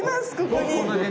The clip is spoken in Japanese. ここに。